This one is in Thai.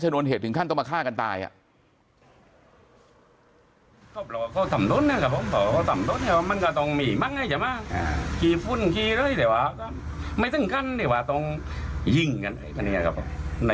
โดนเหตุถึงขั้นต้องมาฆ่ากันตายอ่ะ